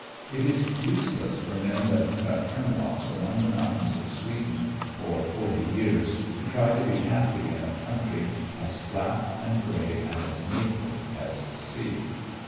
It is useless for men that have cut hemlocks among the mountains of Sweden for forty years to try to be happy in a country as flat and gray and as naked as the sea.